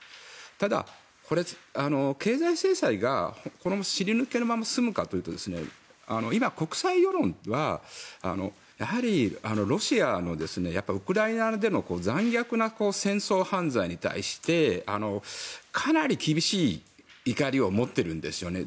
ただ、経済制裁が尻抜けのまま進むかというと今、国際世論はやはりロシアのウクライナでの残虐な戦争犯罪に対してかなり厳しい怒りを持っているんですよね。